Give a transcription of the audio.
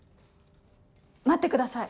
待ってください